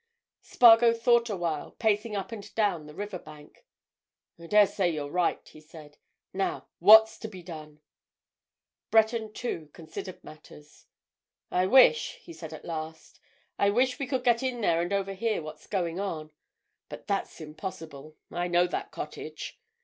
Spargo thought awhile, pacing up and down the river bank. "I daresay you're right," he said. "Now, what's to be done?" Breton, too, considered matters. "I wish," he said at last, "I wish we could get in there and overhear what's going on. But that's impossible—I know that cottage.